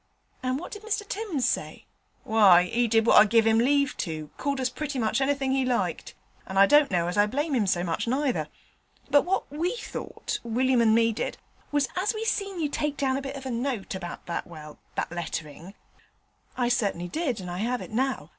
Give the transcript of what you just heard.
'And what did Mr Timms say?' 'Why 'e did what I give 'im leave to called us pretty much anythink he liked, and I don't know as I blame him so much neither. But what we thought, William and me did, was as we seen you take down a bit of a note about that well, that letterin' ' 'I certainly did that, and I have it now.